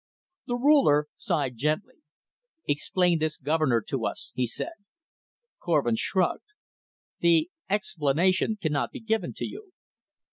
The ruler sighed gently. "Explain this governor to us," he said. Korvin shrugged. "The explanation cannot be given to you."